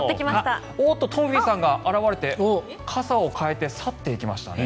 おっと、東輝さんが現れて傘を変えて去っていきましたね。